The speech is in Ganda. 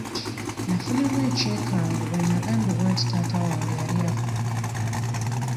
Nafunamu ekyekango bwe nagambibwa nti taata wange yali afudde.